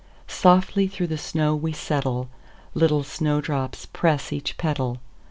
"Softly through the snow we settle, Little snow drops press each petal.